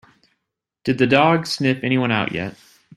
Did the dog sniff anyone out yet?